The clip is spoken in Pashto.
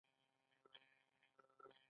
پانګوال ګوري چې د کار زیاتول دومره اسانه نه دي